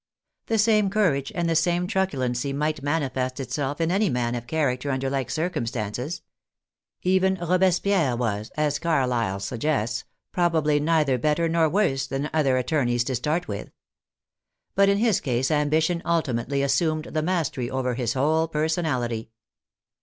The same courage and the same truculency might manifest itself in any man of character under like circumstances. Even Robespierre was, as Carlyle sug gests, probably neither better nor worse than other attor neys to start with. But in his case ambition ultimately assumed the mastery over his whole personality.